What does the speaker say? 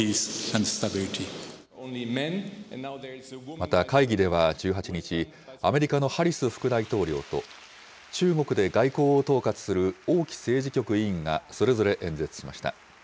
また、会議では１８日、アメリカのハリス副大統領と、中国で外交を統括する王毅政治局委員がそれぞれ演説しました。